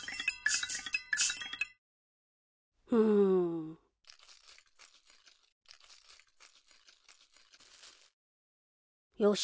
うーん。よし。